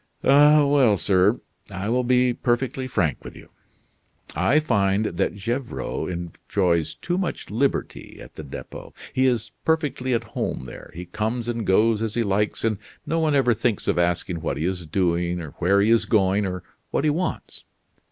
"Ah, well, sir! I will be perfectly frank with you. I find that Gevrol enjoys too much liberty at the Depot; he is perfectly at home there, he comes and goes as he likes, and no one ever thinks of asking what he is doing, where he is going, or what he wants.